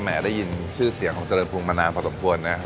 แหมได้ยินชื่อเสียงของเจริญภูมิมานานพอสมควรนะครับ